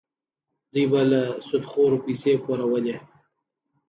دوی به له سودخورو پیسې پورولې.